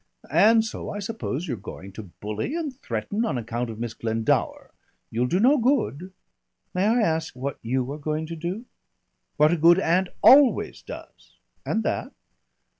"And so I suppose you're going to bully and threaten on account of Miss Glendower.... You'll do no good." "May I ask what you are going to do?" "What a good aunt always does." "And that?"